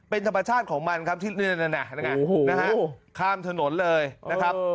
เป็นธรรมชาติของมันครับที่นี่น่ะน่ะน่ะโอ้โหนะฮะข้ามถนนเลยนะครับ